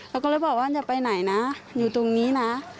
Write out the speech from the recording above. เขาก็เลยบอกว่าอย่าไปไหนนะอยู่ตรงนี้นะ